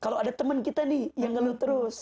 kalau ada teman kita nih yang ngeluh terus